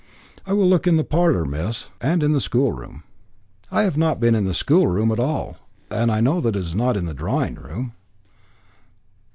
"I will look in the parlour, miss, and the schoolroom." "I have not been into the schoolroom at all, and I know that it is not in the drawing room."